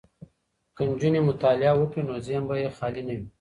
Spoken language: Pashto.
که نجونې مطالعه وکړي نو ذهن به یې خالي نه وي.